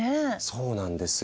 そうなんですよ。